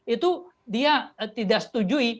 itu dia tidak setujui